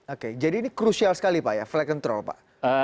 oke jadi ini krusial sekali pak ya flight control pak